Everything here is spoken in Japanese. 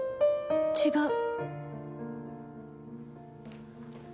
違う！